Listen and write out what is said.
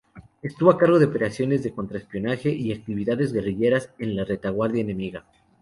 Estuvo a cargo de operaciones de contraespionaje y actividades guerrilleras en la retaguardia enemiga.